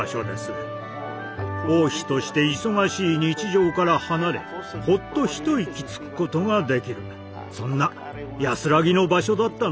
王妃として忙しい日常から離れほっと一息つくことができるそんな安らぎの場所だったのでしょう。